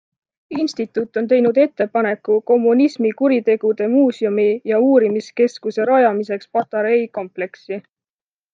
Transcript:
Instituut on teinud ettepaneku kommunismikuritegude muuseumi ja uurimiskeskuse rajamiseks Patarei kompleksi.